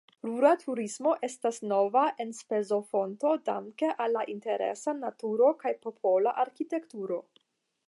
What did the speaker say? Rura turismo estas nova enspezofonto danke al la interesa naturo kaj popola arkitekturo.